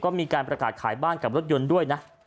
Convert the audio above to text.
ก็มีการประกาศขายบ้านกับรถยนต์ด้วยนะ